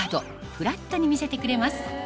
フラットに見せてくれます